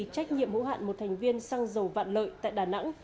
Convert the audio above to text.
trách nhiệm hữu hạn một thành viên xăng dầu vạn lợi tại đà nẵng